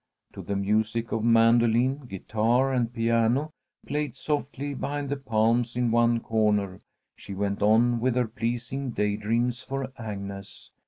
To the music of mandolin, guitar, and piano, played softly behind the palms in one corner, she went on with her pleasing day dreams for Agnes.